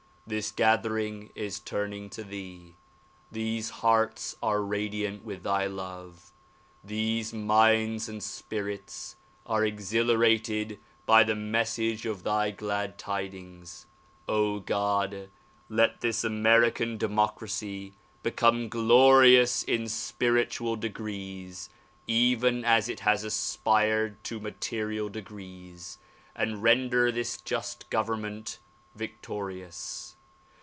This gathering is turning to thee. These hearts are radiant with thy love. These minds and spirits are ex hilarated by the message of thy glad tidings. God! Let this American democracy become glorious in spiritual degrees even as it has aspired to material degrees, and render this just government \'ictorious.